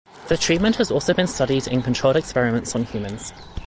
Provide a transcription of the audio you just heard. The treatment has also been studied in controlled experiments on humans.